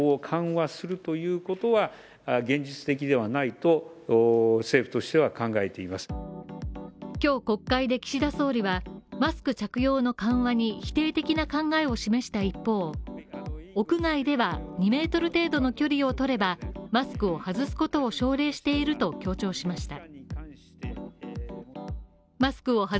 一方、日本では今日、国会で岸田総理はマスク着用の緩和に否定的な考えを示した一方屋外では２ｍ程度の距離を取ればマスクを外すことを奨励していると強調しました。